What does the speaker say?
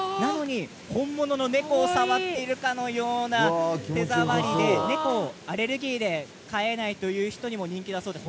本物の猫を触っているかのような手触りで猫アレルギーで飼えないという人にも人気だそうです。